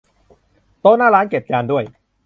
โต๊ะหน้าร้าน เก็บจานด้วย